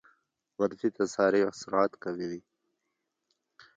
منفي تسارع سرعت کموي.